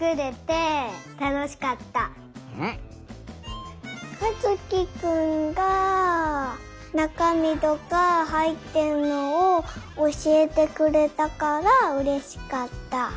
かずきくんがなかみとかはいってるのをおしえてくれたからうれしかった。